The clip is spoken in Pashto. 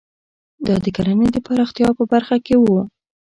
دا د کرنې د پراختیا په برخه کې وو.